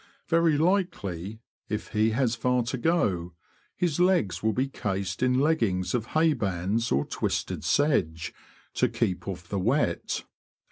Very likely, if he has far to go, his legs will be cased in leggings of haybands or twusted sedge, to keep off the wet.